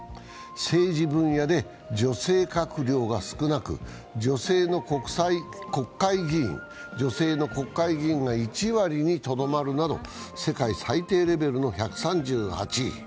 政治分野で女性閣僚が少なく、女性の国会議員が１割にとどまるなど世界最低レベルの１３８位。